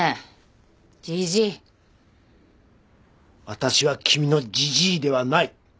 私は君のじじいではない。